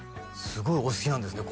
すごいお好きなんですね